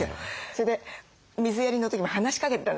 それで水やりの時も話しかけてた。